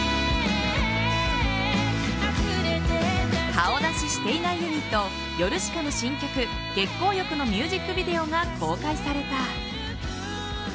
顔出ししていないユニットヨルシカの新曲「月光浴」のミュージックビデオが公開された。